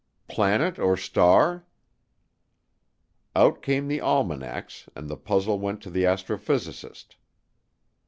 Planet or star? Out came the almanacs and the puzzle went to the astrophysicist.